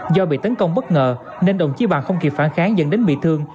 do bị tấn công bất ngờ nên đồng chí bằng không kịp phản kháng dẫn đến bị thương